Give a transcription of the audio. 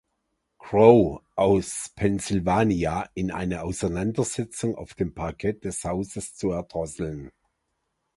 Grow aus Pennsylvania in einer Auseinandersetzung auf dem Parkett des Hauses zu erdrosseln.